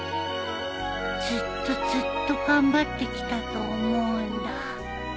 ずっとずっと頑張ってきたと思うんだ。